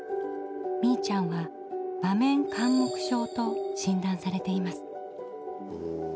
みいちゃんは場面緘黙症としんだんされています。